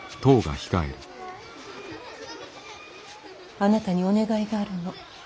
あなたにお願いがあるの。